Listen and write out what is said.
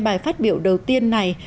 bài phát biểu đầu tiên này